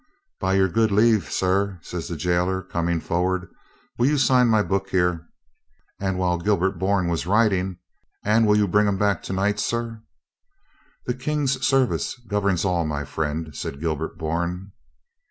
"By your good leave, sir," says the gaoler, com ing forward, "will you sign my book here?" and A CAVALIER DIES 365 while Gilbert Bourne was writing, "and will you bring un back to night, sir?" "The King's service governs all, my friend," said Gilbert Bourne.